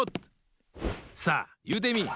さあいうてみい！